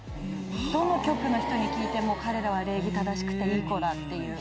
どの局の人に聞いても「彼らは礼儀正しくていい子だ」って言う。